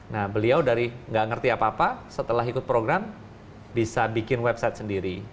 nah beliau dari nggak ngerti apa apa setelah ikut program bisa bikin website sendiri